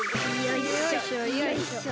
よいしょよいしょ。